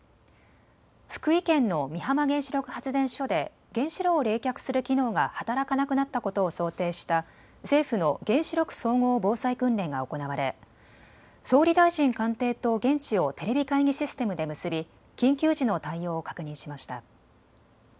福井県の美浜原子力発電所で原子炉を冷却する機能が働かなくなったことを想定した政府の原子力総合防災訓練が行われ総理大臣官邸と現地をテレビ会議システムで結び緊急時の対応を確認しました。